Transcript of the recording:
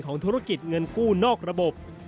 ธุรกิจเงินกู้นอกระบบ